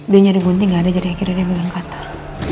dia nyari gunting gak ada jadi akhirnya dia bilang qatar